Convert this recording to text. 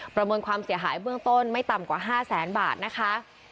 ประเมินความเสียหายเบื้องต้นไม่ต่ำกว่า๕แสนบาทนะคะ